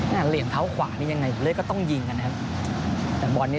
เหลี่ยมเขากว่านี่ยังไงเรื่อยก็ต้องยิงอันครับแต่บอลนี้